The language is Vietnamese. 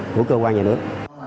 của cơ quan nhà nước